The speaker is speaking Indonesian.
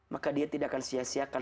maka dia tidak akan sia siakan